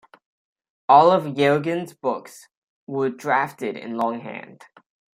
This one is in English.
All of Yergin's books were drafted in long-hand.